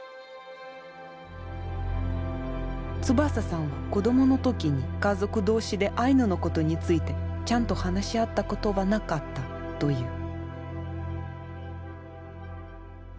翼さんは子どもの時に家族同士でアイヌのことについてちゃんと話し合ったことはなかったという。